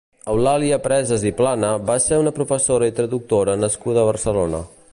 Eulàlia Presas i Plana va ser una professora i traductora nascuda a Barcelona.